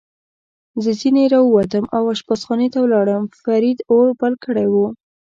زه ځنې را ووتم او اشپزخانې ته ولاړم، فرید اور بل کړی و.